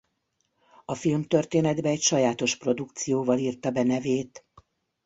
A filmtörténetbe egy sajátos produkcióval írta be nevét.